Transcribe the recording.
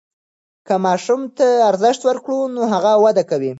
که ماسوم ته ارزښت ورکړو نو هغه وده کوي.